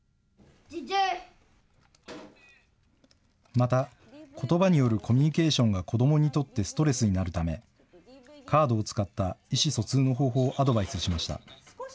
また、ことばによるコミュニケーションが子どもにとってストレスになるため、カードを使った意思疎通の方法をアドバイスしました。